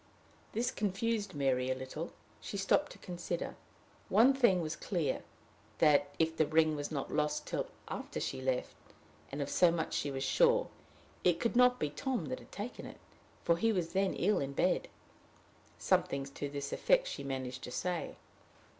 This confused Mary a little. She stopped to consider. One thing was clear that, if the ring was not lost till after she left and of so much she was sure it could not be Tom that had taken it, for he was then ill in bed. Something to this effect she managed to say.